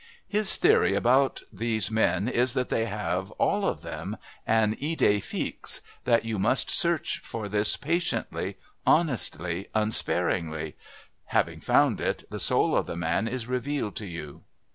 His theory about these men is that they have, all of them, an idée fixe, that you must search for this patiently, honestly, unsparingly having found it, the soul of the man is revealed to you.